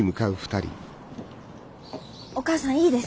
お母さんいいですか？